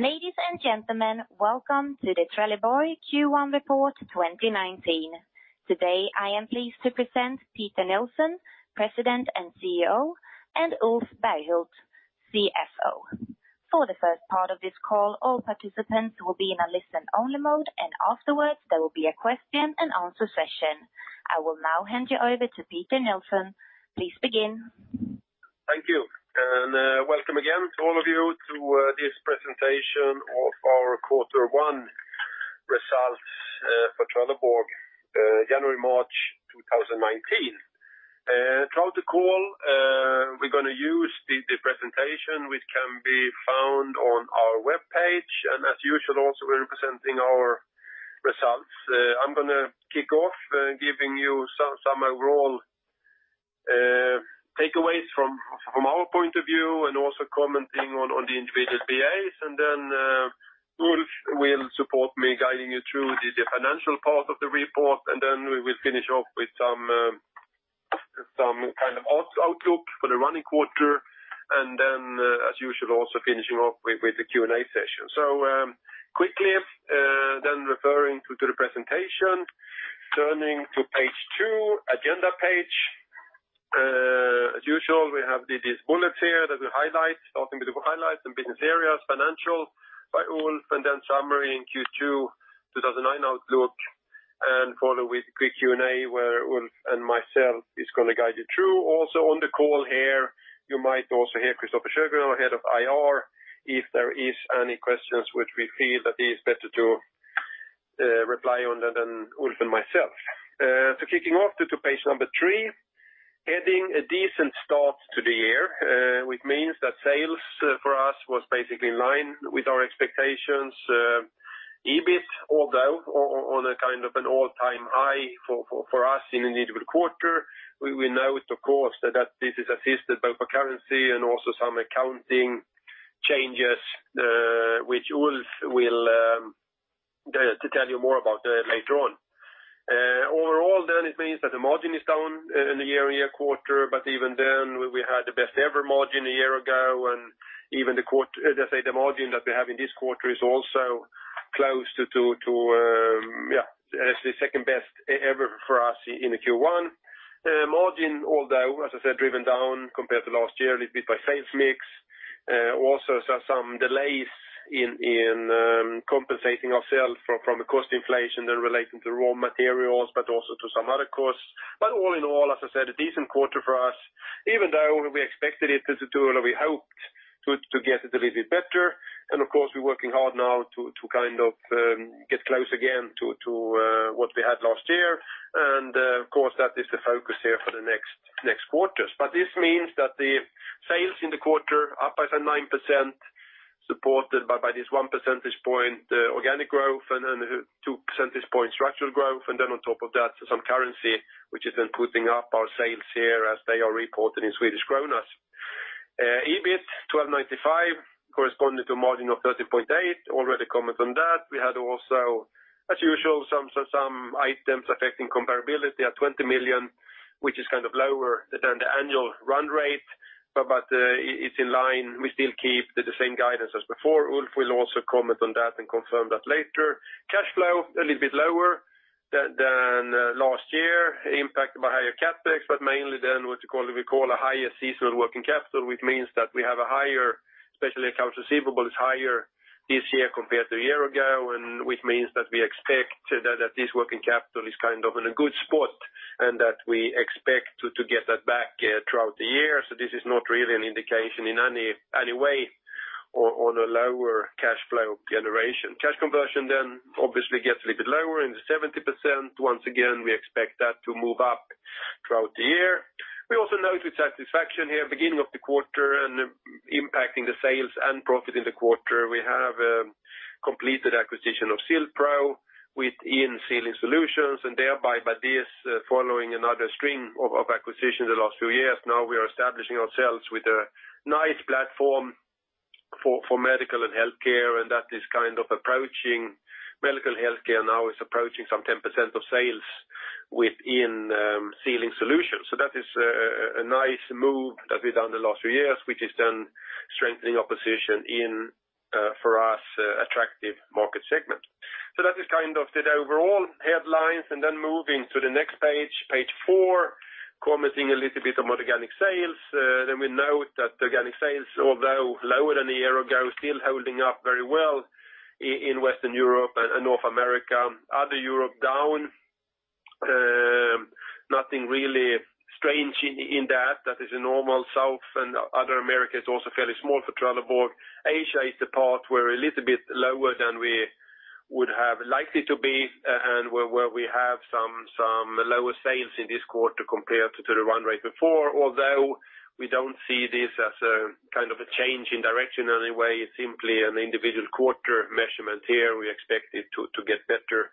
Ladies and gentlemen, welcome to the Trelleborg Q1 report 2019. Today, I am pleased to present Peter Nilsson, President and CEO, and Ulf Berghult, CFO. For the first part of this call, all participants will be in a listen-only mode, and afterwards, there will be a question-and-answer session. I will now hand you over to Peter Nilsson. Please begin. Thank you. Welcome again to all of you to this presentation of our Quarter 1 results for Trelleborg, January to March 2019. Throughout the call, we're going to use the presentation, which can be found on our webpage. As usual, also we're presenting our results. I'm going to kick off by giving you some overall takeaways from our point of view and also commenting on the individual BAs. Ulf will support me, guiding you through the financial part of the report. We will finish off with some kind of outlook for the running quarter. As usual, also finishing off with a Q&A session. Quickly then referring to the presentation, turning to page two, agenda page. As usual, we have these bullets here that we highlight, starting with the highlights and business areas, financial by Ulf. Summary and Q2 2019 outlook, follow with a quick Q&A where Ulf and myself is going to guide you through. Also on the call here, you might also hear Christofer Sjögren, our head of IR, if there is any questions which we feel that is better to reply on than Ulf and myself. Kicking off to page number three, having a decent start to the year, which means that sales for us was basically in line with our expectations. EBIT, although on a kind of an all-time high for us in an individual quarter, we note, of course, that this is assisted both by currency and also some accounting changes, which Ulf will tell you more about later on. Overall, it means that the margin is down in the year quarter. Even then, we had the best ever margin a year ago. Even the margin that we have in this quarter is also close to the second best ever for us in a Q1. Margin, although, as I said, driven down compared to last year a little bit by sales mix, also some delays in compensating ourselves from a cost inflation relating to raw materials, also to some other costs. All in all, as I said, a decent quarter for us, even though we expected it to do and we hoped to get it a little bit better. Of course, we're working hard now to get close again to what we had last year. Of course, that is the focus here for the next quarters. This means that the sales in the quarter are up by 9%, supported by this one percentage point organic growth and two percentage point structural growth, and then on top of that, some currency, which is then pushing up our sales here as they are reported in Swedish krona. EBIT 12.95 corresponded to a margin of 13.8. Already commented on that. We had also, as usual, some items affecting comparability at 20 million, which is lower than the annual run rate. It is in line. We still keep the same guidance as before. Ulf will also comment on that and confirm that later. Cash flow, a little bit lower than last year, impacted by higher CapEx, mainly then what we call a higher seasonal working capital, which means that we have a higher, especially accounts receivable is higher this year compared to a year ago, which means that we expect that this working capital is in a good spot and that we expect to get that back throughout the year. This is not really an indication in any way on a lower cash flow generation. Cash conversion then obviously gets a little bit lower in the 70%. Once again, we expect that to move up throughout the year. We also note with satisfaction here, beginning of the quarter and impacting the sales and profit in the quarter, we have completed acquisition of Sil-Pro within Sealing Solutions, and thereby by this, following another stream of acquisitions the last few years. We are establishing ourselves with a nice platform for medical and healthcare, and medical and healthcare now is approaching some 10% of sales within Sealing Solutions. That is a nice move that we have done the last few years, which is then strengthening our position in, for us, attractive market segment. That is the overall headlines. Moving to the next page four, commenting a little bit on organic sales. We note that organic sales, although lower than a year ago, still holding up very well in Western Europe and North America. Other Europe down. Nothing really strange in that. That is a normal South, and Other America is also fairly small for Trelleborg. Asia is the part where a little bit lower than we would have likely to be, and where we have some lower sales in this quarter compared to the run rate before. Although we don't see this as a change in direction in any way, simply an individual quarter measurement here. We expect it to get better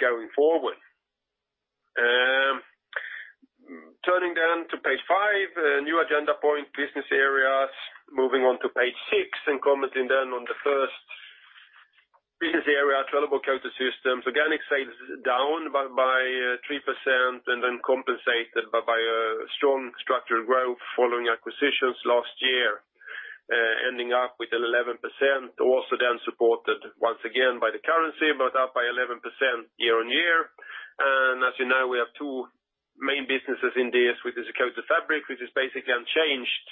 going forward. Turning to page five, new agenda point, business areas. Moving on to page six and commenting on the first business area Trelleborg Coated Systems, organic sales down by 3% and then compensated by a strong structural growth following acquisitions last year, ending up with 11%. Also supported once again by the currency, up by 11% year-on-year. As you know, we have two main businesses in this, which is coated fabric, which is basically unchanged.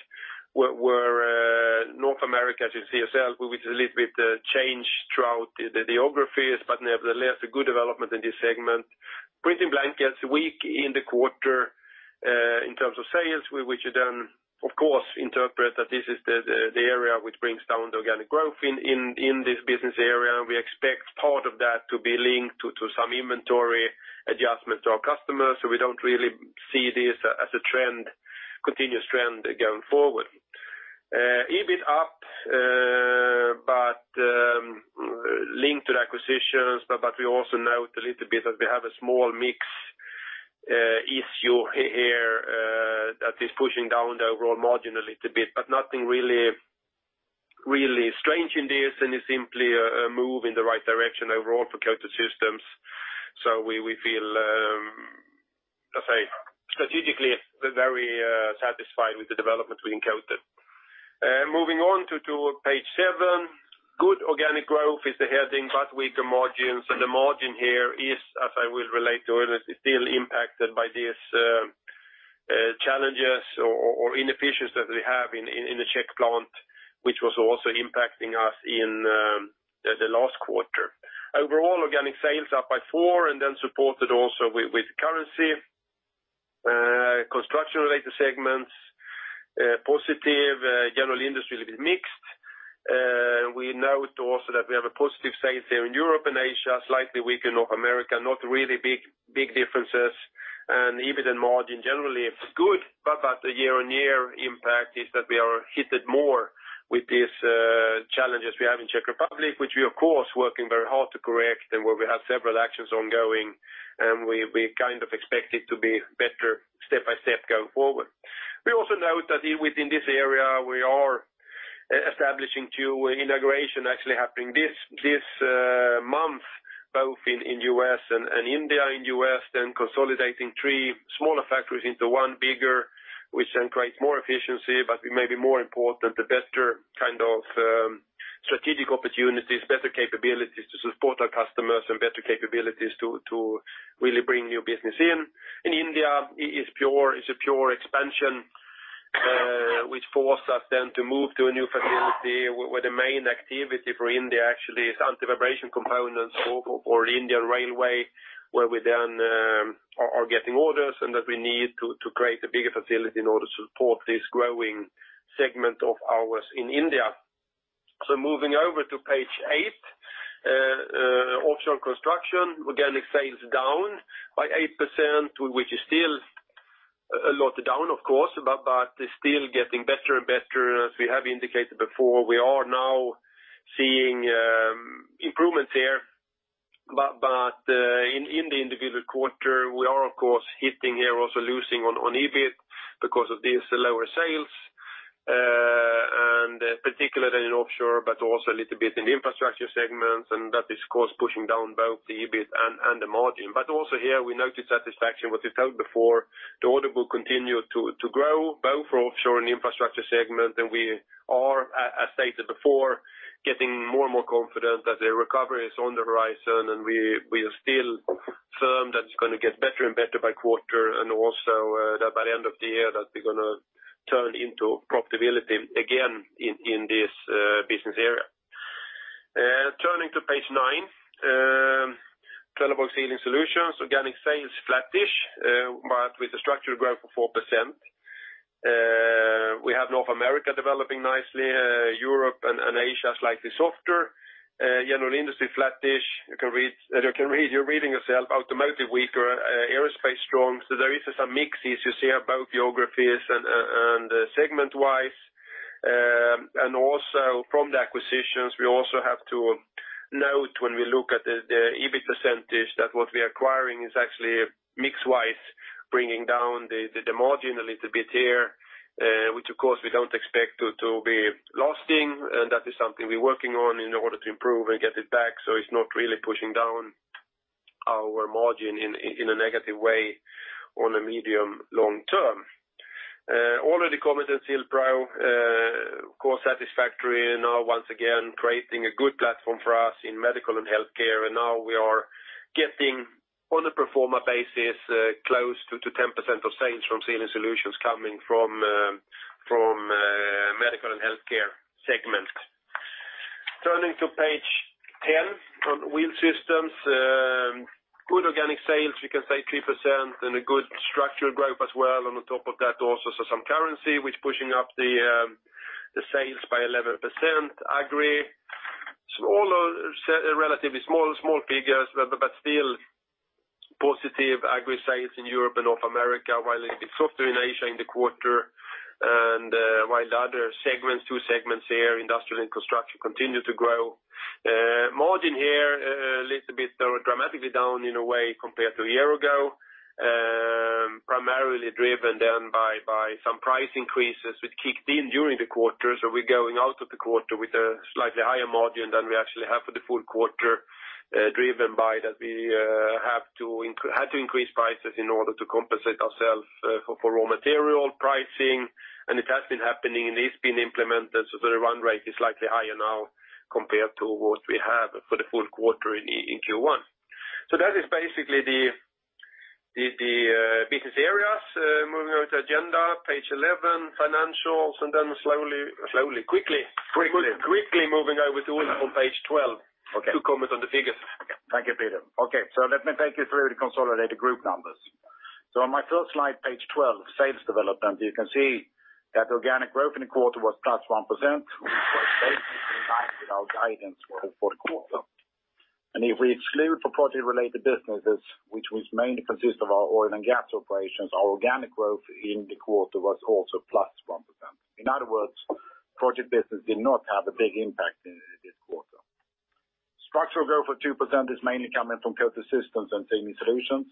North America, as you see yourself, with a little bit change throughout the geographies, but nevertheless, a good development in this segment. Printing blankets, weak in the quarter, in terms of sales, we should then, of course, interpret that this is the area which brings down the organic growth in this business area. We expect part of that to be linked to some inventory adjustment to our customers, so we don't really see this as a continuous trend going forward. EBIT up, linked to the acquisitions. We also note a little bit that we have a small mix issue here, that is pushing down the overall margin a little bit, but nothing really strange in this. Is simply a move in the right direction overall for Coated Systems. We feel, strategically, very satisfied with the development we encountered. Moving on to page seven. Good organic growth is the heading, weaker margins. The margin here is, as I will relate to it, still impacted by these challenges or inefficiencies that we have in the Czech plant, which was also impacting us in the last quarter. Overall, organic sales up by four, supported also with currency. Construction-related segments, positive. General industry a little bit mixed. We note also that we have a positive sales there in Europe and Asia, slightly weak in North America, not really big differences. EBIT and margin generally is good, the year-on-year impact is that we are hit more with these challenges we have in Czech Republic, which we, of course, working very hard to correct and where we have several actions ongoing. We expect it to be better step by step going forward. We also note that within this area, we are establishing two integration actually happening this month, both in U.S. and India. In U.S., consolidating three smaller factories into one bigger, which then creates more efficiency, maybe more important, the better strategic opportunities, better capabilities to support our customers and better capabilities to really bring new business in. In India, it's a pure expansion, which force us then to move to a new facility where the main activity for India actually is anti-vibration components for Indian Railways, where we then are getting order intake, and that we need to create a bigger facility in order to support this growing segment of ours in India. Moving over to page eight. Offshore and Construction, organic sales down by 8%, which is still a lot down, of course, still getting better and better. As we have indicated before, we are now seeing improvements here. In the individual quarter, we are, of course, hitting here also losing on EBIT because of these lower sales, and particularly in offshore, also a little bit in the infrastructure segments. That is, of course, pushing down both the EBIT and the margin. Also here we note the satisfaction what we told before. The order intake will continue to grow both offshore and infrastructure segment. We are, as stated before, getting more and more confident that the recovery is on the horizon. We are still firm that it's going to get better and better by quarter, also that by the end of the year, that we're going to turn into profitability again in this business area. Turning to page nine. Trelleborg Sealing Solutions. Organic sales flat-ish, with a structural growth of 4%. We have North America developing nicely, Europe and Asia slightly softer. General industry flat-ish. You're reading yourself. Automotive weaker, aerospace strong. There is some mix as you see in both geographies and segment-wise. Also from the acquisitions, we also have to note when we look at the EBIT percentage, that what we are acquiring is actually mix-wise, bringing down the margin a little bit here, which, of course, we don't expect to be lasting. That is something we're working on in order to improve and get it back, so it's not really pushing down our margin in a negative way on a medium long term. Order intake Sil-Pro, of course, satisfactory and now once again, creating a good platform for us in medical and healthcare. Now we are getting on a pro forma basis, close to 10% of sales from Sealing Solutions coming from medical and healthcare segment. Turning to page 10 on Wheel Systems. Good organic sales, we can say 3%, and a good structural growth as well on the top of that also. Some currency, which pushing up the sales by 11%. Agri, relatively small figures, but still positive agri sales in Europe and North America, while a little bit softer in Asia in the quarter. While the other segments, two segments here, industrial and construction, continue to grow. Margin here a little bit dramatically down in a way compared to a year ago, primarily driven down by some price increases which kicked in during the quarter. We're going out of the quarter with a slightly higher margin than we actually have for the full quarter, driven by that we had to increase prices in order to compensate ourselves for raw material pricing. It has been happening and it's been implemented, so the run rate is slightly higher now compared to what we have for the full quarter in Q1. That is basically the business areas. Moving on to agenda, page 11, financials, then slowly. Quickly. Quickly. Quickly moving over to Ulf on page 12. Okay. To comment on the figures. Okay. Thank you, Peter. Let me take you through the consolidated group numbers. On my first slide, page 12, sales development. You can see that organic growth in the quarter was +1%, which was basically in line with our guidance for the quarter. If we exclude project-related businesses, which was mainly consist of our oil and gas operations, our organic growth in the quarter was also +1%. In other words, project business did not have a big impact in this quarter. Structural growth of 2% is mainly coming from Coated Systems and Sealing Solutions.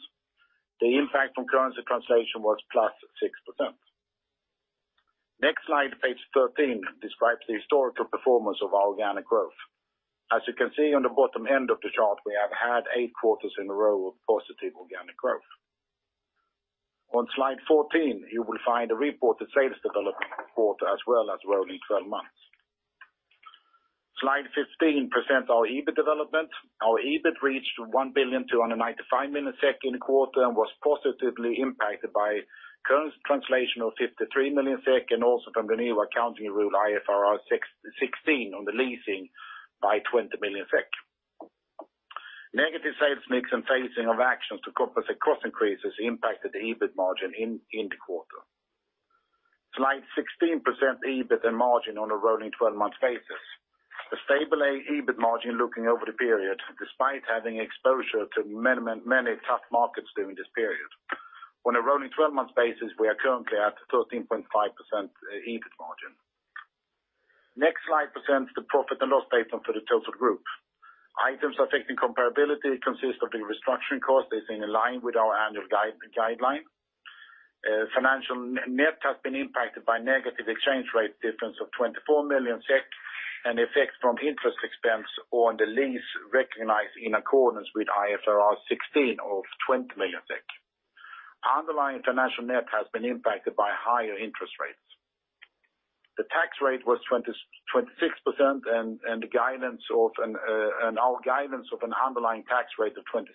The impact from currency translation was +6%. Next slide, page 13, describes the historical performance of our organic growth. As you can see on the bottom end of the chart, we have had eight quarters in a row of positive organic growth. On slide 14, you will find a report of sales development quarter as well as rolling 12 months. Slide 15 presents our EBIT development. Our EBIT reached 1,295 million SEK in the second quarter and was positively impacted by currency translation of 53 million SEK and also from the new accounting rule, IFRS 16 on the leasing by 20 million SEK. Negative sales mix and phasing of actions to compensate cost increases impacted the EBIT margin in the quarter. Slide 16 presents EBIT and margin on a rolling 12 months basis. A stable EBIT margin looking over the period, despite having exposure to many tough markets during this period. On a rolling 12 months basis, we are currently at 13.5% EBIT margin. Next slide presents the profit and loss statement for the total group. Items affecting comparability consist of the restructuring cost that's in line with our annual guideline. Financial net has been impacted by negative exchange rate difference of 24 million SEK and effects from interest expense on the lease recognized in accordance with IFRS 16 of 20 million SEK. Underlying financial net has been impacted by higher interest rates. The tax rate was 26% and our guidance of an underlying tax rate of 26%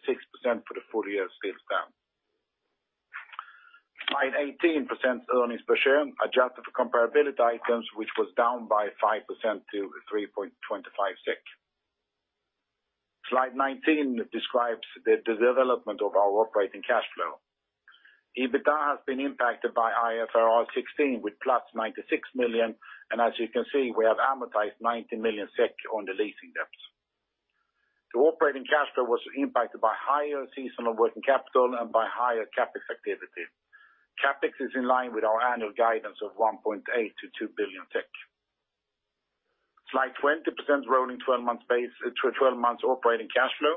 for the full year stands down. Slide 18 presents earnings per share, adjusted for comparability items, which was down by 5% to 3.25 SEK. Slide 19 describes the development of our operating cash flow. EBITDA has been impacted by IFRS 16 with +96 million, and as you can see, we have amortized 90 million SEK on the leasing debts. The operating cash flow was impacted by higher seasonal working capital and by higher CapEx activity. CapEx is in line with our annual guidance of 1.8 billion-2 billion. Slide 20 presents rolling 12 months operating cash flow.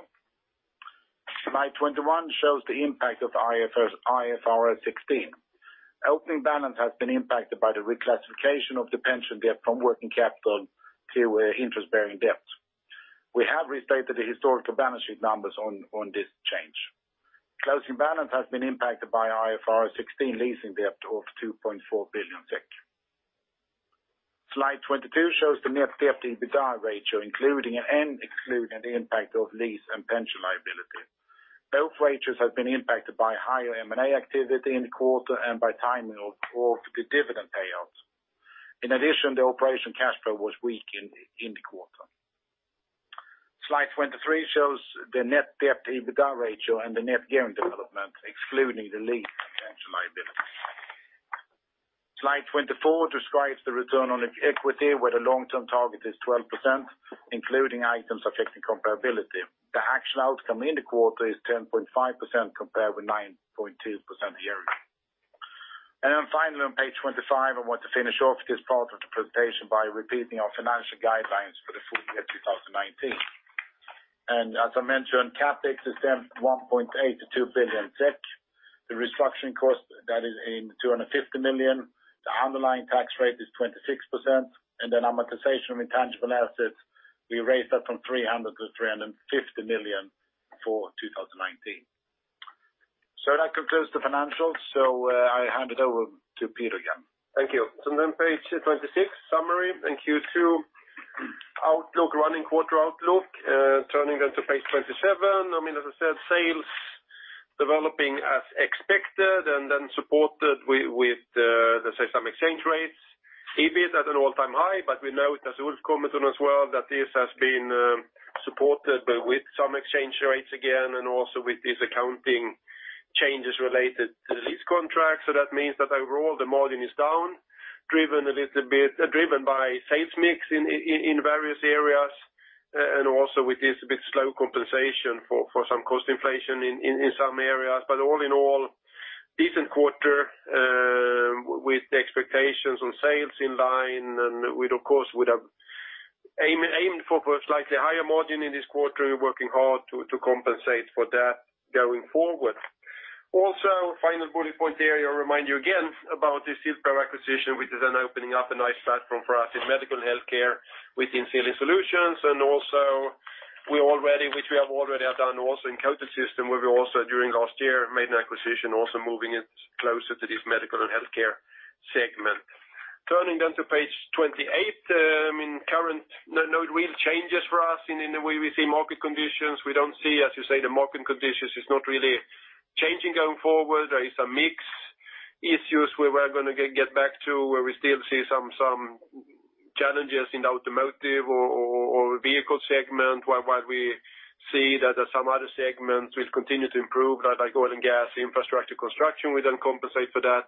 Slide 21 shows the impact of IFRS 16. Opening balance has been impacted by the reclassification of the pension debt from working capital to interest-bearing debt. We have restated the historical balance sheet numbers on this change. Closing balance has been impacted by IFRS 16 leasing debt of 2.4 billion SEK. Slide 22 shows the net debt to EBITDA ratio, including and excluding the impact of lease and pension liability. Both ratios have been impacted by higher M&A activity in the quarter and by timing of the dividend payouts. In addition, the operating cash flow was weak in the quarter. Slide 23 shows the net debt to EBITDA ratio and the net debt development, excluding the lease and pension liability. Slide 24 describes the return on equity where the long-term target is 12%, including items affecting comparability. The actual outcome in the quarter is 10.5% compared with 9.2% yearly. Finally on page 25, I want to finish off this part of the presentation by repeating our financial guidelines for the full year 2019. As I mentioned, CapEx is 1.8 billion-2 billion SEK. The restructuring cost is 250 million. The underlying tax rate is 26%. Amortization of intangible assets, we raised that from 300 million-350 million for 2019. That concludes the financials. I hand it over to Peter again. Thank you. Page 26, summary and Q2 outlook, running quarter outlook. Turning to page 27, as I said, sales developing as expected and supported with, let's say some exchange rates. EBIT at an all-time high, but we know as Ulf commented on as well that this has been supported with some exchange rates again, and also with these accounting changes related to lease contracts. That means that overall the margin is down, driven by sales mix in various areas, and also with this a bit slow compensation for some cost inflation in some areas. All in all, decent quarter with the expectations on sales in line, and we, of course, would have aimed for a slightly higher margin in this quarter. We are working hard to compensate for that going forward. Final bullet point there, I will remind you again about the Sil-Pro acquisition, which is opening up a nice platform for us in medical and healthcare within Sealing Solutions. Also, which we have already done also in Coated Systems, where we also during last year, made an acquisition also moving it closer to this medical and healthcare segment. Turning to page 28. No real changes for us in the way we see market conditions. We do not see, as you say, the market conditions are not really changing going forward. There is a mix issues where we are going to get back to where we still see some challenges in the automotive or vehicle segment, while we see that there are some other segments which continue to improve, like oil and gas, infrastructure, construction. We compensate for that.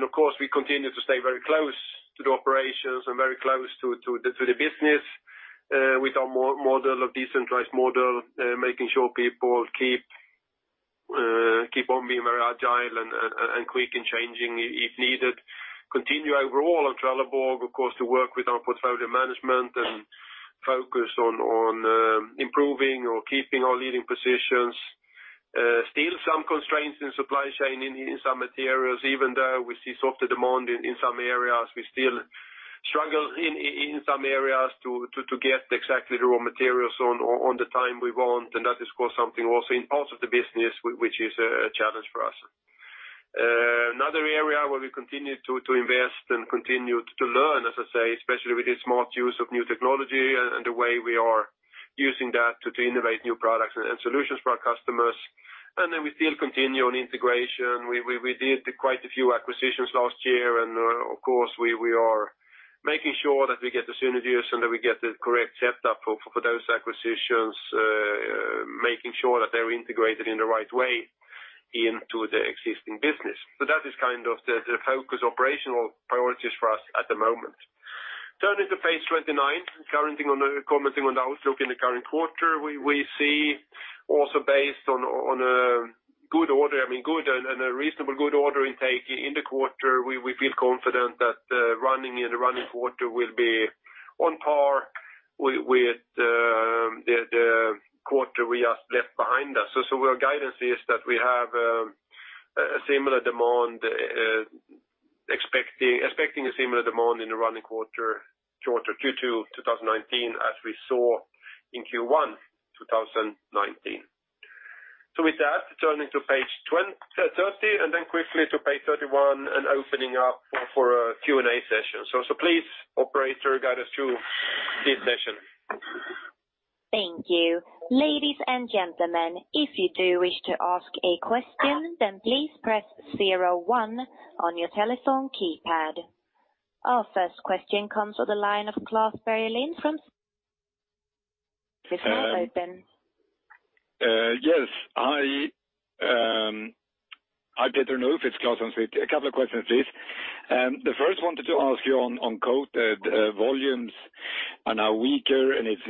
Of course, we continue to stay very close to the operations and very close to the business, with our model of decentralized model, making sure people keep on being very agile and quick and changing if needed. Continue overall on Trelleborg, of course, to work with our portfolio management and focus on improving or keeping our leading positions. Still some constraints in supply chain in some materials, even though we see softer demand in some areas, we still struggle in some areas to get exactly the raw materials on the time we want, and that is, of course, something also in parts of the business, which is a challenge for us. Another area where we continue to invest and continue to learn, as I say, especially with the smart use of new technology and the way we are using that to innovate new products and solutions for our customers. We still continue on integration. We did quite a few acquisitions last year, and of course, we are making sure that we get the synergies and that we get the correct setup for those acquisitions, making sure that they're integrated in the right way into the existing business. That is the focus operational priorities for us at the moment. Turning to page 29, commenting on the outlook in the current quarter. We see also based on a reasonable good order intake in the quarter, we feel confident that the running quarter will be on par with the quarter we just left behind us. Our guidance is that we have expecting a similar demand in the running quarter Q2, 2019 as we saw in Q1 2019. With that, turning to page 30, and then quickly to page 31 and opening up for a Q&A session. Please, operator, guide us through this session. Thank you. Ladies and gentlemen, if you do wish to ask a question, then please press zero one on your telephone keypad. Our first question comes on the line of Klas Bergelind from Citi. Your phone is open. Yes. Hi, Peter. No, if it's Klas on speak. A couple of questions, please. The first one to ask you on coated volumes are now weaker, and it's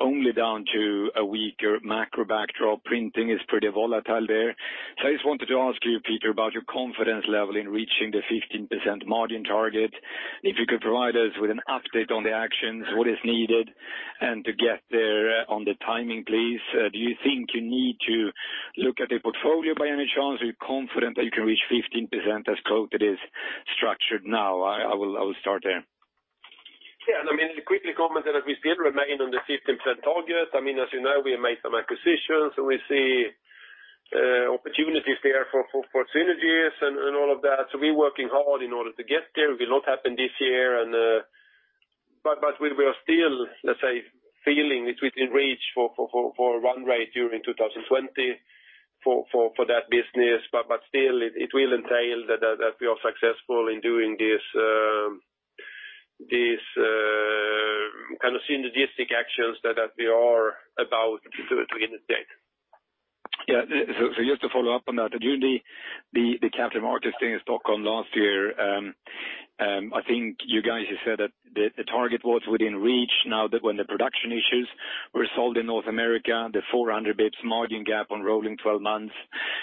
not only down to a weaker macro backdrop. Printing is pretty volatile there. I just wanted to ask you, Peter, about your confidence level in reaching the 15% margin target. And if you could provide us with an update on the actions, what is needed and to get there on the timing, please. Do you think you need to look at the portfolio by any chance? Are you confident that you can reach 15% as coated is structured now? I will start there. Yeah. Quickly comment that we still remain on the 15% target. As you know, we have made some acquisitions, and we see opportunities there for synergies and all of that. We're working hard in order to get there. Will not happen this year, but we are still, let's say, feeling it's within reach for run rate during 2020 for that business. Still, it will entail that we are successful in doing these kind of synergistic actions that we are about to do it in the state. Yeah. Just to follow up on that. During the Capital Markets Day in Stockholm last year, I think you guys said that the target was within reach now when the production issues were solved in North America, the 400 basis points margin gap on rolling 12 months.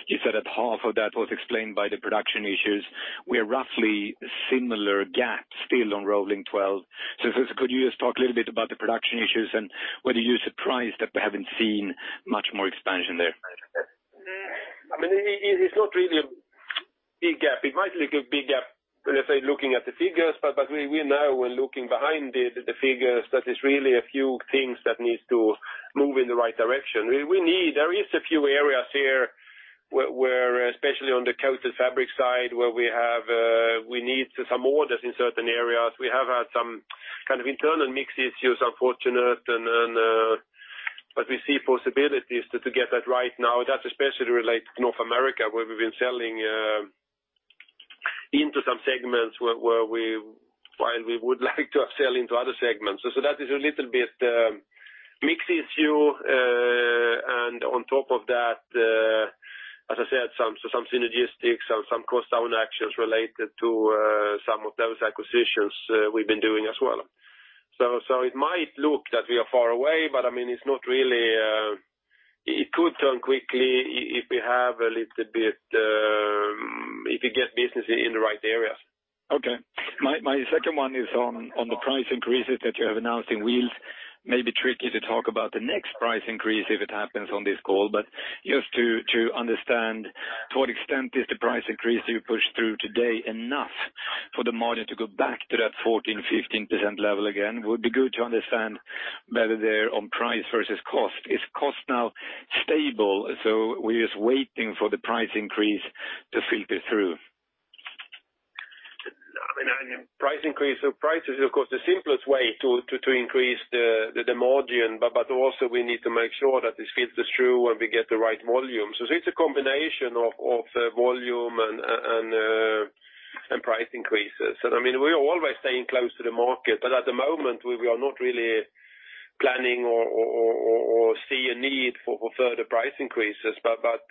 You said that half of that was explained by the production issues, where roughly similar gap still on rolling 12. Could you just talk a little bit about the production issues and whether you're surprised that we haven't seen much more expansion there? It's not really a big gap. It might look a big gap, let's say, looking at the figures. We now when looking behind the figures, that is really a few things that needs to move in the right direction. There is a few areas here where, especially on the coated fabric side, where we need some orders in certain areas. We have had some kind of internal mix issues, unfortunate. We see possibilities to get that right now. That especially relates to North America, where we've been selling into some segments while we would like to upsell into other segments. That is a little bit mix issue, on top of that, as I said, some synergetics and some cost down actions related to some of those acquisitions we've been doing as well. It might look that we are far away, but it's not really. It could turn quickly if we have a little bit, if we get business in the right areas. Okay. My second one is on the price increases that you have announced in Wheels. It may be tricky to talk about the next price increase if it happens on this call, but just to understand to what extent is the price increase you pushed through today enough for the margin to go back to that 14%-15% level again? Would be good to understand whether they're on price versus cost. Is cost now stable, so we're just waiting for the price increase to filter through? Price increase or price is, of course, the simplest way to increase the margin, but also we need to make sure that this filters through when we get the right volume. It's a combination of volume and price increases. We are always staying close to the market, but at the moment we are not really planning or see a need for further price increases.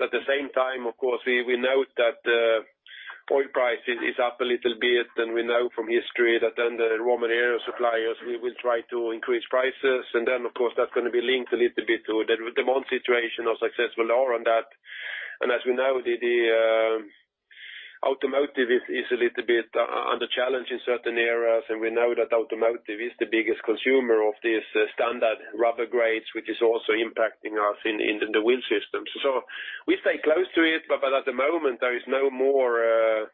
At the same time, of course, we note that oil price is up a little bit and we know from history that then the raw material suppliers will try to increase prices and then, of course, that's going to be linked a little bit to the demand situation how successful they are on that. As we know, the automotive is a little bit under challenge in certain areas, and we know that automotive is the biggest consumer of these standard rubber grades, which is also impacting us in the Wheel Systems. We stay close to it, but at the moment, there is no more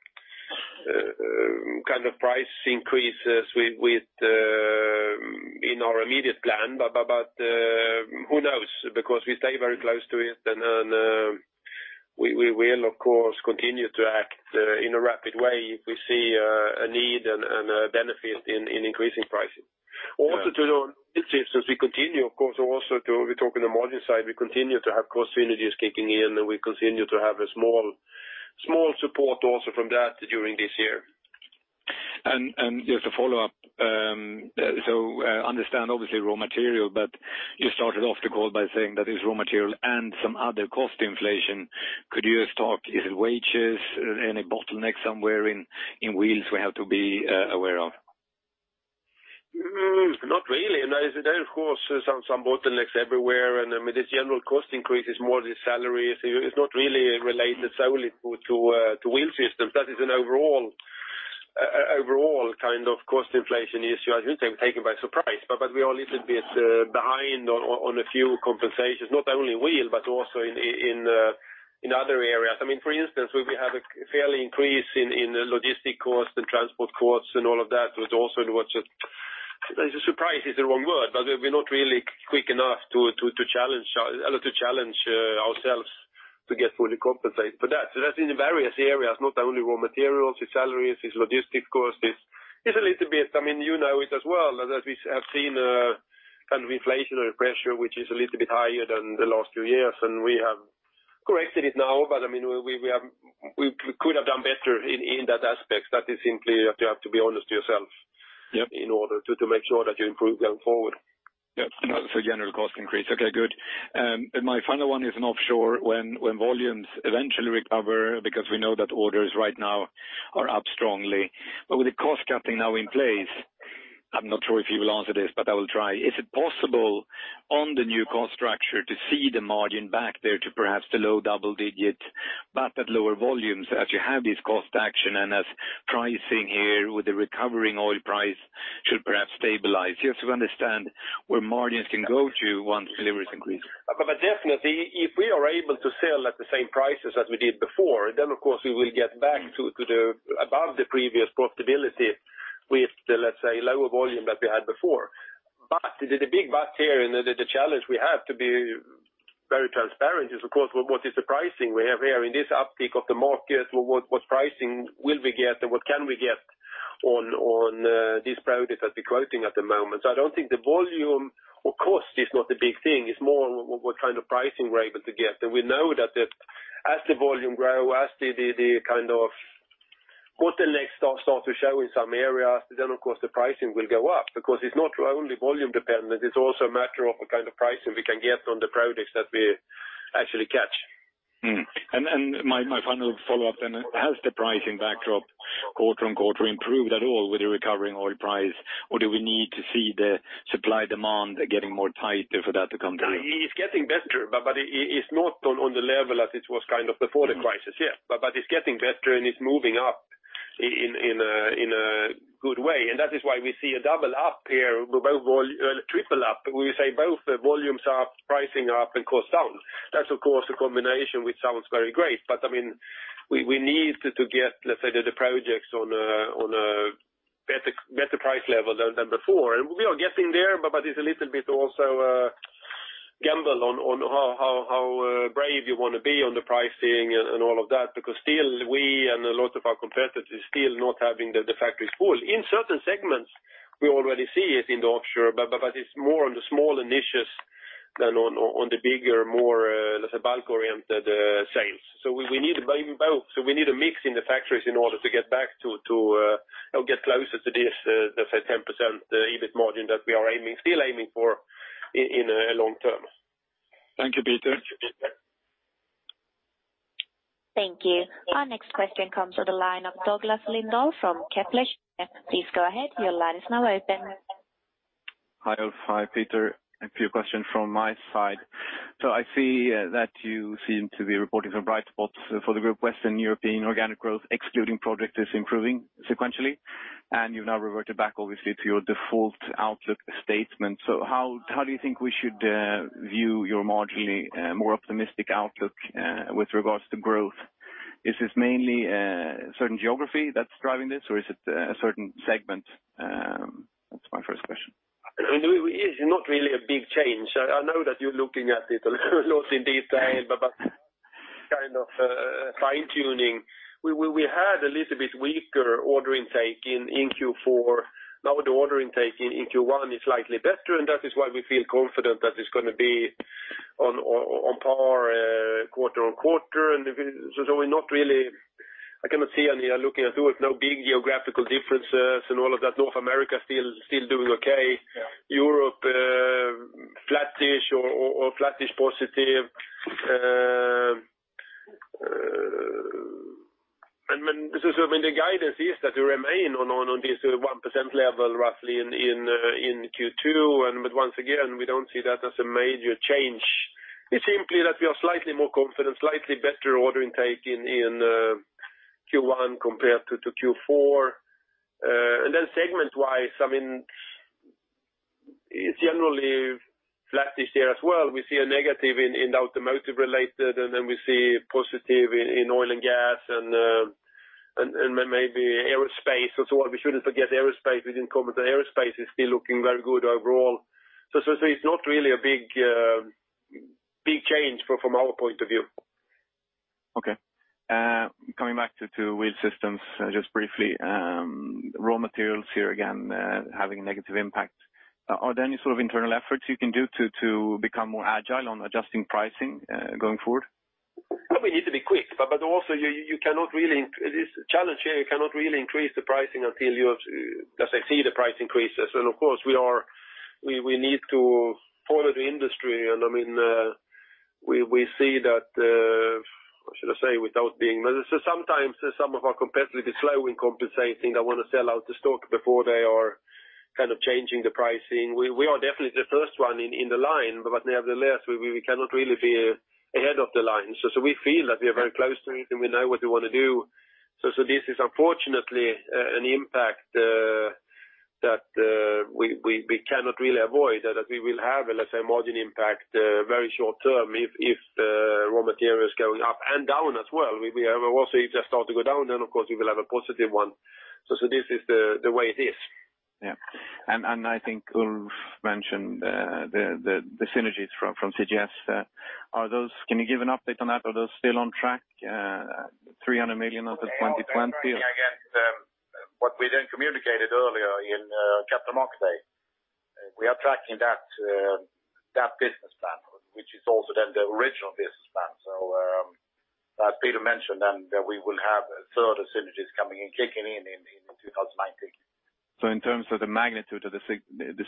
kind of price increases in our immediate plan. Who knows? We stay very close to it and we will of course continue to act in a rapid way if we see a need and a benefit in increasing pricing. Also to note, since we continue, of course, also we talk on the margin side, we continue to have cost synergies kicking in, and we continue to have a small support also from that during this year. Just to follow up, understand obviously raw material, but you started off the call by saying that it is raw material and some other cost inflation. Could you just talk, is it wages? Any bottlenecks somewhere in Wheels we have to be aware of? Not really. There are of course some bottlenecks everywhere, the general cost increase is more the salary. It is not really related solely to Wheel Systems. That is an overall kind of cost inflation issue. As you say, we were taken by surprise, but we are a little bit behind on a few compensations, not only Wheel, but also in other areas. For instance, we have a fairly increase in logistic costs and transport costs and all of that, but also what you, surprise is the wrong word, but we are not really quick enough to challenge ourselves to get fully compensated. That is in various areas, not only raw materials. It is salaries, it is logistic costs. It is a little bit, you know it as well, that we have seen a kind of inflationary pressure, which is a little bit higher than the last two years, we have corrected it now, but we could have done better in that aspect. That is simply that you have to be honest to yourself. Yep In order to make sure that you improve going forward. Yep. General cost increase. Okay, good. My final one is in offshore when volumes eventually recover, because we know that orders right now are up strongly. With the cost cutting now in place, I'm not sure if you will answer this, but I will try. Is it possible on the new cost structure to see the margin back there to perhaps the low double-digit, but at lower volumes as you have this cost action and as pricing here with the recovering oil price should perhaps stabilize? Just to understand where margins can go to once deliveries increase. Definitely, if we are able to sell at the same prices as we did before, then of course we will get back to above the previous profitability with the, let's say, lower volume that we had before. The big but here and the challenge we have to be very transparent is of course, what is the pricing we have here in this uptick of the market? What pricing will we get and what can we get on these projects that we're quoting at the moment? I don't think the volume or cost is not the big thing, it's more what kind of pricing we're able to get. We know that as the volume grows, as the kind of bottlenecks start to show in some areas, then of course the pricing will go up because it's not only volume dependent, it's also a matter of the kind of pricing we can get on the projects that we actually catch. Mm. My final follow-up then. Has the pricing backdrop quarter-on-quarter improved at all with the recovering oil price? Do we need to see the supply demand getting tighter for that to come through? It's getting better, but it's not on the level as it was kind of before the crisis. That is why we see a double up here, triple up. We say both volumes are up, pricing up and cost down. That's of course a combination which sounds very great. We need to get, let's say, the projects on a better price level than before. We are getting there, but it's a little bit also a gamble on how brave you want to be on the pricing and all of that because still we and a lot of our competitors still not having the factories full. In certain segments we already see it in the offshore, but it's more on the smaller niches than on the bigger, more, let's say, bulk oriented sales. We need both. We need a mix in the factories in order to get back to or get closer to this, let's say, 10% EBIT margin that we are still aiming for in the long term. Thank you, Peter Thank you. Our next question comes on the line of Douglas Lindahl from Kepler. Please go ahead. Your line is now open. Hi, Ulf. Hi, Peter. A few questions from my side. I see that you seem to be reporting some bright spots for the Group Western European organic growth, excluding project, is improving sequentially, and you've now reverted back, obviously, to your default outlook statement. How do you think we should view your marginally more optimistic outlook with regards to growth? Is this mainly a certain geography that's driving this, or is it a certain segment? That's my first question. It is not really a big change. I know that you're looking at it closely in detail, but kind of fine-tuning. We had a little bit weaker order intake in Q4. Now the order intake in Q1 is slightly better, and that is why we feel confident that it's going to be on par quarter-on-quarter. I cannot see any, looking at it, no big geographical differences and all of that. North America still doing okay. Yeah. Europe, flattish or flattish positive. The guidance is that we remain on this 1% level, roughly, in Q2. Once again, we don't see that as a major change. It's simply that we are slightly more confident, slightly better order intake in Q1 compared to Q4. Segment-wise, it's generally flattish there as well. We see a negative in automotive related, and then we see positive in oil and gas and maybe aerospace. We shouldn't forget aerospace is incumbent, but aerospace is still looking very good overall. It's not really a big change from our point of view. Okay. Coming back to Wheel Systems just briefly. Raw materials here again having a negative impact. Are there any sort of internal efforts you can do to become more agile on adjusting pricing going forward? We need to be quick, also it is a challenge here. You cannot really increase the pricing until you see the price increases. Of course, we need to follow the industry. We see that, what should I say? Sometimes some of our competitors slow in compensating. They want to sell out the stock before they are changing the pricing. We are definitely the first one in the line, but nevertheless, we cannot really be ahead of the line. We feel that we are very close to it, and we know what we want to do. This is unfortunately an impact that we cannot really avoid, that we will have a less margin impact very short term if raw material is going up and down as well. If it starts to go down, then, of course, we will have a positive one. This is the way it is. Yeah. I think Ulf mentioned the synergies from CGS. Can you give an update on that? Are those still on track, 300 million of the 2020? Again, what we then communicated earlier in Capital Markets Day, we are tracking that business plan, which is also then the original business plan. As Peter mentioned, and we will have further synergies coming in, kicking in in 2019. In terms of the magnitude of the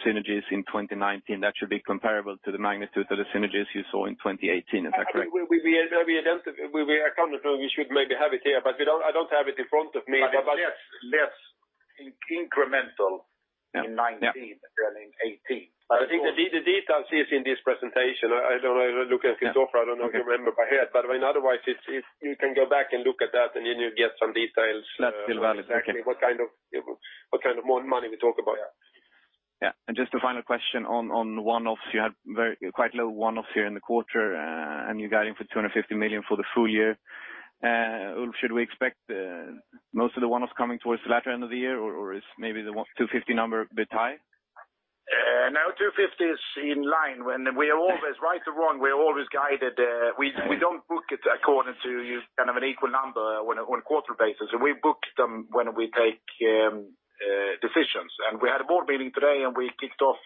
synergies in 2019, that should be comparable to the magnitude of the synergies you saw in 2018, is that correct? We should maybe have it here, but I don't have it in front of me. It's less incremental in 2019 than in 2018. I think the details is in this presentation. I don't know. I look at you, Sofra. I don't know if you remember by heart, but otherwise, you can go back and look at that, and then you get some details. That's still valid. Okay exactly what kind of money we talk about. Yeah. Just a final question on one-offs. You had quite low one-offs here in the quarter, and you're guiding for 250 million for the full year. Ulf, should we expect most of the one-offs coming towards the latter end of the year, or is maybe the 250 number a bit high? No, 250 is in line. Right or wrong, we are always guided. We don't book it according to an equal number on a quarter basis. We book them when we take decisions. We had a board meeting today, and we kicked off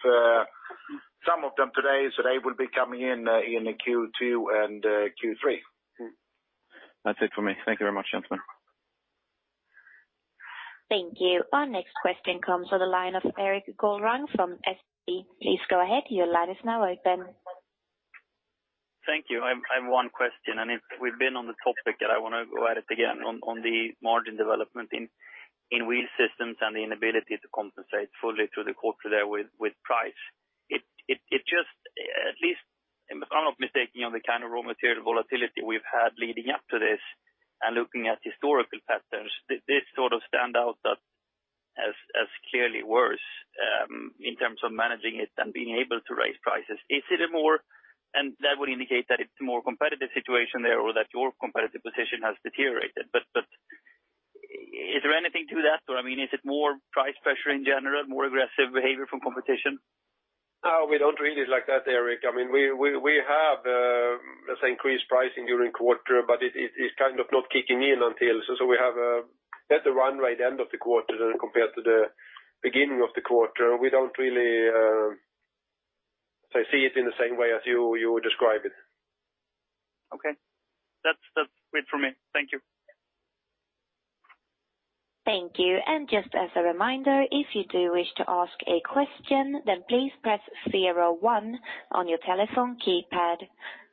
some of them today, so they will be coming in in the Q2 and Q3. That's it for me. Thank you very much, gentlemen. Thank you. Our next question comes on the line of Erik Golrang from SEB. Please go ahead. Your line is now open. Thank you. I have one question. We've been on the topic that I want to go at it again on the margin development in Trelleborg Wheel Systems and the inability to compensate fully through the quarter there with price. If I'm not mistaken on the kind of raw material volatility we've had leading up to this and looking at historical patterns, this sort of stands out as clearly worse in terms of managing it and being able to raise prices. That would indicate that it's a more competitive situation there or that your competitive position has deteriorated. Is there anything to that? Is it more price pressure in general, more aggressive behavior from competition? No, we don't read it like that, Erik. We have, let's say, increased pricing during quarter, but it's kind of not kicking in until. We have a better run right end of the quarter compared to the beginning of the quarter. We don't really see it in the same way as you describe it. Okay. That's it for me. Thank you. Thank you. Just as a reminder, if you do wish to ask a question, then please press 01 on your telephone keypad.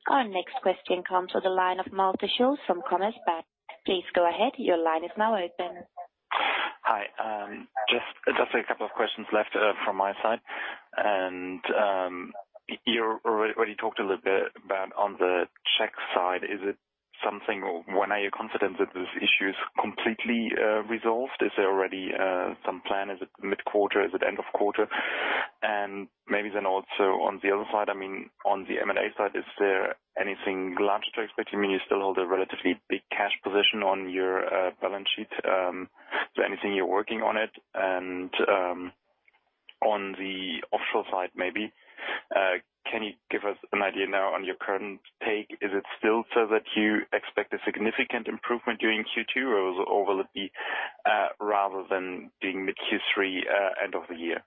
Our next question comes to the line of Malte Schulz from Commerzbank. Please go ahead. Your line is now open. Hi. Just a couple of questions left from my side. You already talked a little bit about on the Czech side, is it something or when are you confident that this issue is completely resolved? Is there already some plan? Is it mid-quarter? Is it end of quarter? Maybe then also on the other side, on the M&A side, is there anything large to expect? You still hold a relatively big cash position on your balance sheet. Is there anything you're working on it? On the offshore side maybe, can you give us an idea now on your order intake? Is it still so that you expect a significant improvement during Q2 or will it be rather than being the Q3 end of the year?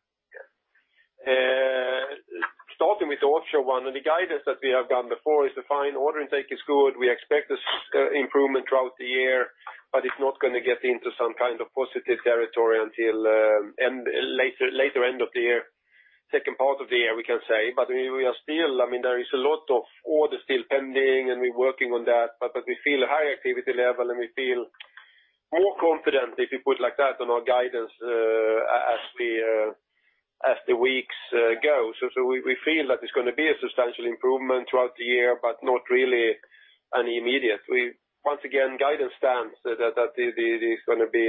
Starting with the offshore one, the guidance that we have done before is fine. Order intake is good. We expect this improvement throughout the year, but it's not going to get into some kind of positive territory until later end of the year, second part of the year, we can say. We are still, there is a lot of orders still pending, and we're working on that. We feel a higher activity level, and we feel more confident, if you put like that, on our guidance as the weeks go. We feel that it's going to be a substantial improvement throughout the year, but not really any immediate. Once again, guidance stands that it is going to be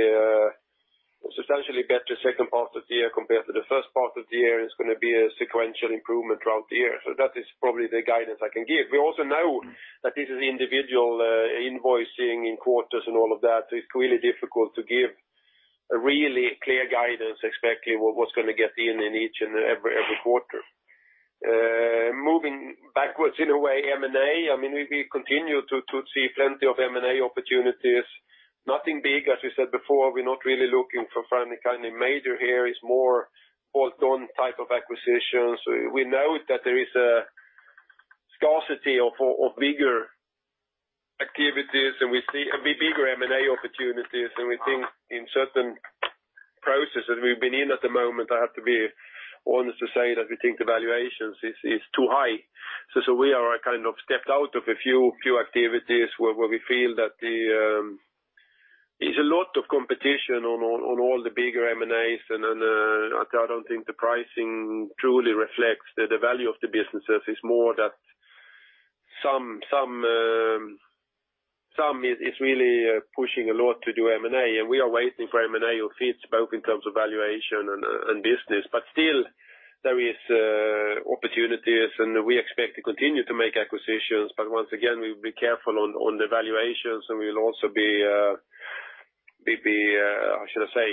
a substantially better second part of the year compared to the first part of the year. It's going to be a sequential improvement throughout the year. That is probably the guidance I can give. We also know that this is individual invoicing in quarters and all of that. It's really difficult to give a really clear guidance expecting what's going to get in in each and every quarter. Moving backwards in a way, M&A, we continue to see plenty of M&A opportunities. Nothing big, as we said before, we're not really looking for finding any major here. It's more bolt-on type of acquisitions. We know that there is a scarcity of bigger activities, and we see a bit bigger M&A opportunities, and we think in certain processes we've been in at the moment, I have to be honest to say that we think the valuations is too high. We are stepped out of a few activities where we feel that there's a lot of competition on all the bigger M&As, and I don't think the pricing truly reflects the value of the businesses. It's more that some is really pushing a lot to do M&A, and we are waiting for M&A who fits both in terms of valuation and business. Still, there is opportunities, and we expect to continue to make acquisitions. Once again, we'll be careful on the valuations, and we'll also be, how should I say,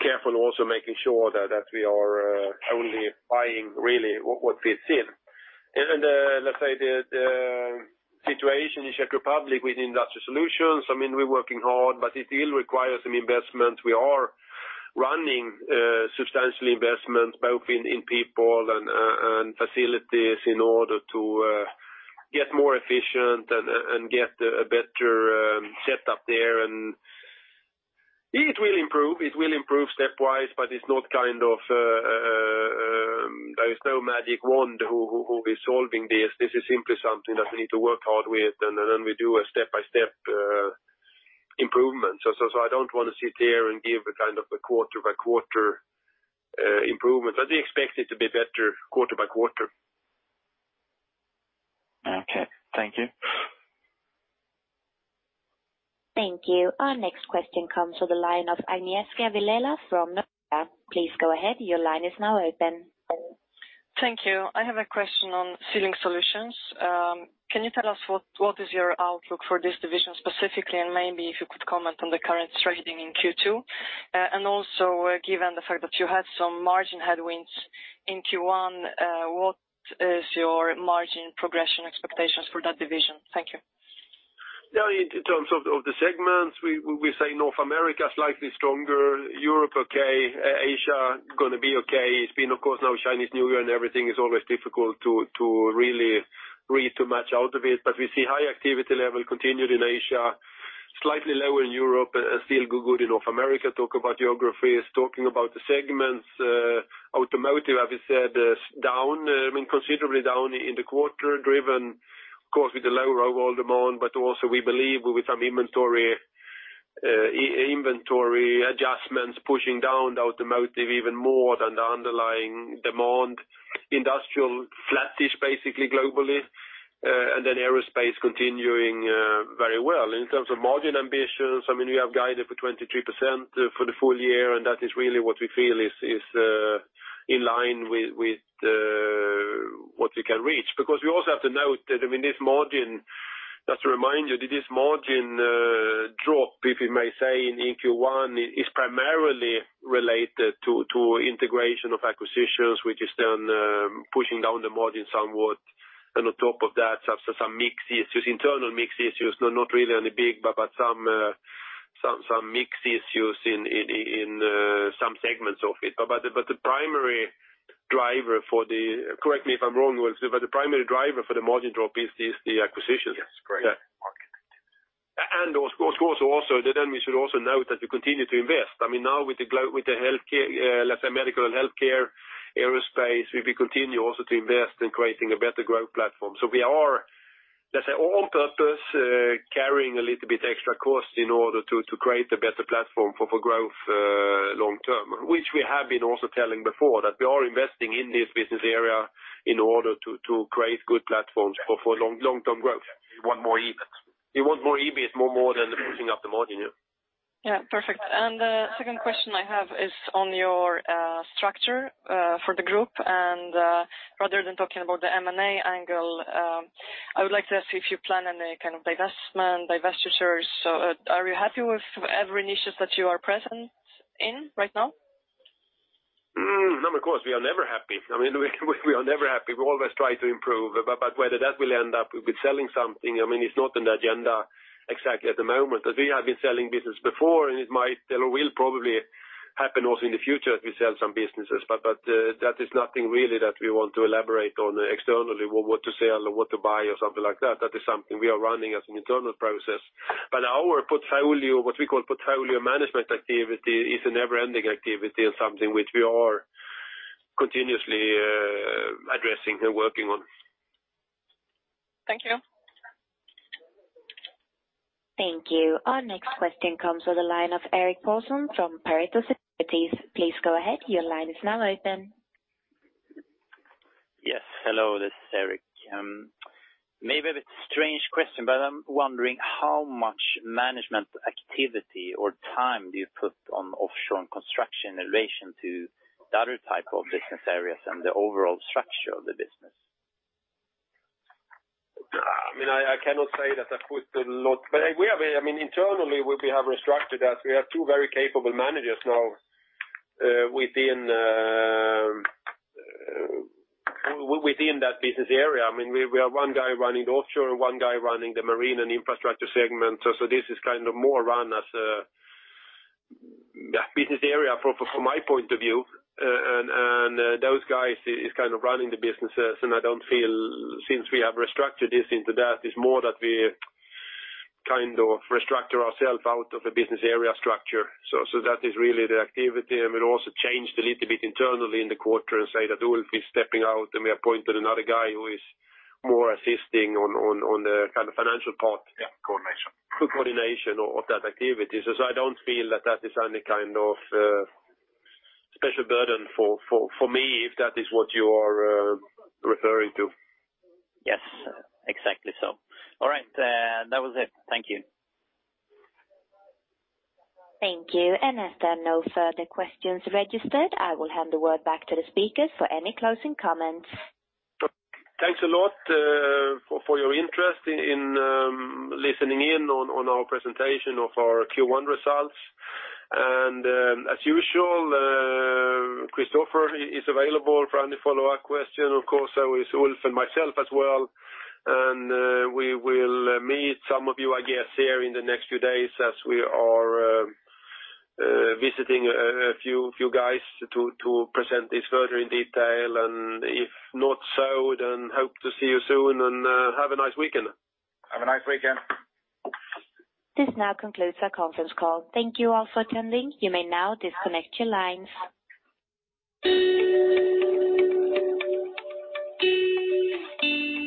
careful also making sure that we are only buying really what fits in. Let's say the situation in Czech Republic with Industry Solutions, we're working hard, but it will require some investment. We are running substantial investments, both in people and facilities in order to get more efficient and get a better set up there. It will improve stepwise, but there is no magic wand who is solving this. This is simply something that we need to work hard with, and then we do a step-by-step improvement. I don't want to sit here and give a quarter by quarter improvement, but we expect it to be better quarter by quarter. Okay. Thank you. Thank you. Our next question comes to the line of Agnieszka Vilela from Nordea. Please go ahead. Your line is now open. Thank you. I have a question on Sealing Solutions. Can you tell us what is your outlook for this division specifically, and maybe if you could comment on the current trading in Q2? Also, given the fact that you had some margin headwinds in Q1, what is your margin progression expectations for that division? Thank you. In terms of the segments, we say North America is likely stronger, Europe okay, Asia going to be okay. It's been, of course, now Chinese New Year and everything is always difficult to really read too much out of it. We see high activity level continued in Asia, slightly lower in Europe, still good in North America, talk about geographies. Talking about the segments, automotive, as we said, considerably down in the quarter, driven, of course, with the low raw demand, but also we believe with some inventory adjustments pushing down the automotive even more than the underlying demand. Industrial flattish, basically globally, aerospace continuing very well. In terms of margin ambitions, we have guided for 23% for the full year, that is really what we feel is in line with what we can reach. We also have to note that this margin, just to remind you, this margin drop, if you may say, in Q1, is primarily related to integration of acquisitions, which is then pushing down the margin somewhat. On top of that, some mix issues, internal mix issues, not really any big, but some mix issues in some segments of it. Correct me if I'm wrong, Ulf, the primary driver for the margin drop is the acquisition. Yes, correct. Also, we should also note that we continue to invest. Now with the medical and healthcare aerospace, we continue also to invest in creating a better growth platform. We are, let's say, on purpose, carrying a little bit extra cost in order to create a better platform for growth long term, which we have been also telling before, that we are investing in this business area in order to create good platforms for long-term growth. You want more EBIT. You want more EBIT, more than pushing up the margin, yeah. Perfect. The second question I have is on your structure for the group, rather than talking about the M&A angle, I would like to ask if you plan any kind of divestment, divestitures. Are you happy with every niche that you are present in right now? No, of course, we are never happy. We are never happy. We always try to improve. Whether that will end up with selling something, it's not an agenda exactly at the moment. We have been selling business before, and it might or will probably happen also in the future, if we sell some businesses. That is nothing really that we want to elaborate on externally, what to sell or what to buy or something like that. That is something we are running as an internal process. Our portfolio, what we call portfolio management activity, is a never-ending activity and something which we are continuously addressing and working on. Thank you. Thank you. Our next question comes with the line of Erik Paulsson from Pareto Securities. Please go ahead. Your line is now open. Yes. Hello, this is Erik. Maybe a bit strange question, but I'm wondering how much management activity or time do you put on offshore and construction in relation to the other type of business areas and the overall structure of the business? I cannot say that I put a lot, internally, we have restructured that. We have two very capable managers now within that business area. We have one guy running the offshore, one guy running the marine and infrastructure segment. This is more run as a business area from my point of view. Those guys is running the businesses, and I don't feel, since we have restructured this into that, it's more that we restructure ourself out of the business area structure. That is really the activity, and we also changed a little bit internally in the quarter and say that Ulf is stepping out, and we appointed another guy who is more assisting on the financial part. Yeah, coordination. Coordination of that activity. I don't feel that that is any kind of special burden for me, if that is what you are referring to. Yes, exactly so. All right. That was it. Thank you. Thank you. As there are no further questions registered, I will hand the word back to the speakers for any closing comments. Thanks a lot for your interest in listening in on our presentation of our Q1 results. As usual, Christofer is available for any follow-up question. Of course, so is Ulf and myself as well. We will meet some of you, I guess, here in the next few days as we are visiting a few guys to present this further in detail. If not so, then hope to see you soon, and have a nice weekend. Have a nice weekend. This now concludes our conference call. Thank you all for attending. You may now disconnect your lines.